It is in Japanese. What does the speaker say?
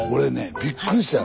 びっくりしてる。